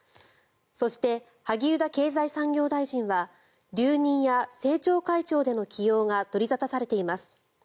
そして萩生田経済産業大臣は留任や政調会長での起用が取り沙汰されています。